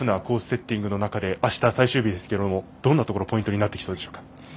セッティングの中であした、最終日ですけどどんなところポイントになってきそうでしょうか。